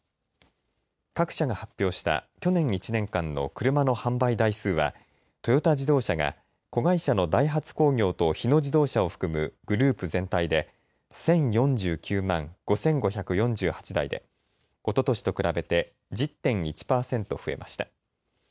各社が発表した去年１年間の車の販売台数はトヨタ自動車が子会社のダイハツ工業と日野自動車を含むグループ全体で１０４９万５５４８台でおととしと比べて１０．１％増えました。